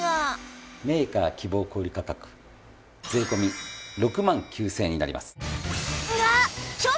メーカー希望小売価格税込６万９０００円になります。